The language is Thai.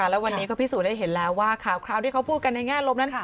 แล้ววันนี้ก็พิสูจนได้เห็นแล้วว่าข่าวที่เขาพูดกันในแง่ลบนั้น